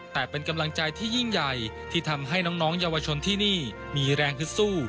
แต่เป็นกำลังใจที่ยิ่งใหญ่ที่ทำให้น้องเยาวชนที่นี่มีแรงฮึดสู้